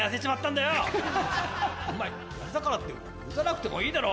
だからって撃たなくてもいいだろ？